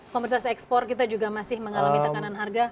komoditas ekspor kita juga masih mengalami tekanan harga